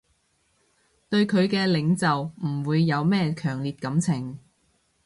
對佢嘅領袖唔會有咩強烈感情